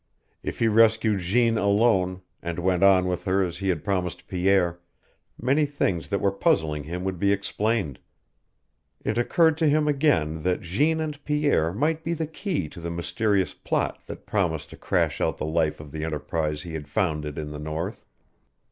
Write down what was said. If he rescued Jeanne alone, and went on with her as he had promised Pierre, many things that were puzzling him would be explained. It occurred to him again that Jeanne and Pierre might be the key to the mysterious plot that promised to crash out the life of the enterprise he had founded in the north.